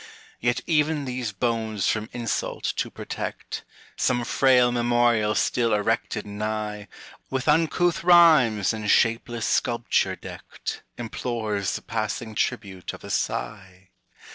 Yet even these bones from insult to protect, Some frail memorial still erected nigh, With uncouth rhymes and shapeless sculpture decked, Implores the passing tribute of a sigh.